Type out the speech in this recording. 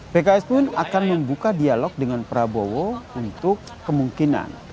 pks pun akan membuka dialog dengan prabowo untuk kemungkinan